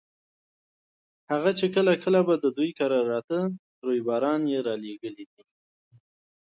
هغه چې کله کله به د دوی کره راته ريباران یې رالېږلي دي.